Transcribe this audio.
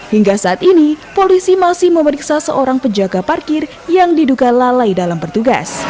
hingga saat ini polisi masih memeriksa seorang penjaga parkir yang diduga lalai dalam bertugas